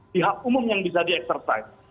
pihak umum yang bisa di exercise